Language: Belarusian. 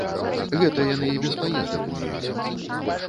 Гэта яны і без паездак умеюць.